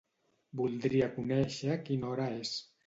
Voldria conèixer quina hora és.